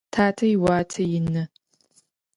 Татэ иуатэ ины.